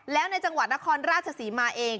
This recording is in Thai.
แล้วในจังหวัดนครราชศรีมาเอง